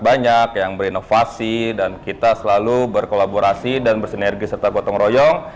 banyak yang berinovasi dan kita selalu berkolaborasi dan bersinergi serta gotong royong